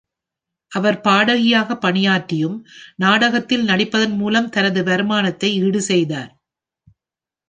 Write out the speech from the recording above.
அவர் பாடகியாக பணியாற்றியும், நாடகத்தில் நடிப்பதன் மூலமும் தனது வருமானத்தை ஈடு செய்தார்